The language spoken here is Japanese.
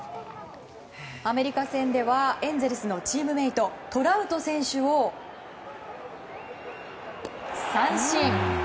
アメリカ戦ではエンゼルスのチームメートトラウト選手を三振。